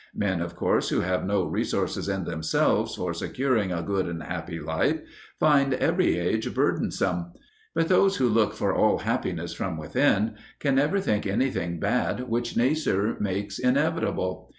Men, of course, who have no resources in themselves for securing a good and happy life find every age burdensome. But those who look for all happiness from within can never think anything bad which nature makes inevitable.